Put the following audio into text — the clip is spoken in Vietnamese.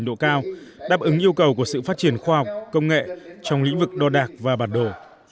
nguồn nhân lực trình độ cao đáp ứng yêu cầu của sự phát triển khoa học công nghệ trong lĩnh vực đo đạc và bản đồ